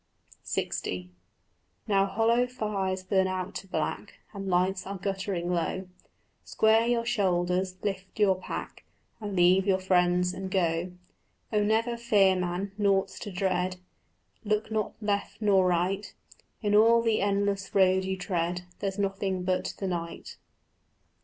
LX Now hollow fires burn out to black, And lights are guttering low: Square your shoulders, lift your pack, And leave your friends and go. Oh never fear, man, nought's to dread, Look not left nor right: In all the endless road you tread There's nothing but the night.